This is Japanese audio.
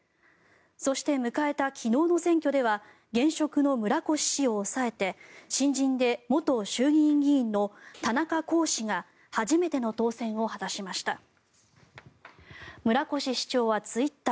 そして、迎えた昨日の選挙では現職の村越氏を抑えて新人で元衆議院議員の田中甲氏が初めての当選を果たしました。